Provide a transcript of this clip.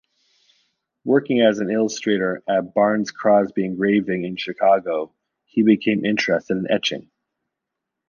Working as an illustrator at Barnes-Crosby Engraving in Chicago, he became interested in etching.